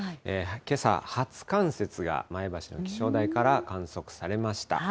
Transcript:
けさ初冠雪が前橋の気象台から観測されました。